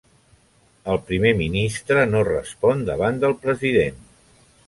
El Primer Ministre no respon davant del President.